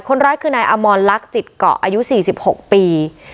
คนร้ายคือนายอมรลักษณ์จิตเกาะอายุ๔๖ปี